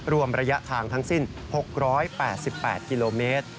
รวมระยะทางทั้งสิ้น๖๘๘กิโลเมตร